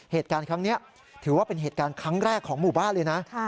เหตุการณ์ครั้งนี้ถือว่าเป็นเหตุการณ์ครั้งแรกของหมู่บ้านเลยนะ